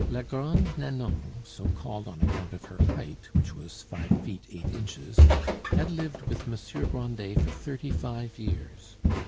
La Grande Nanon, so called on account of her height, which was five feet eight inches, had lived with Monsieur Grandet for thirty five years.